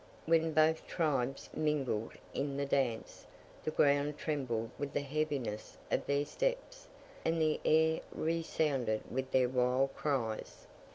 When both tribes mingled in the dance, the ground trembled with the heaviness of their steps, and the air resounded with their wild cries.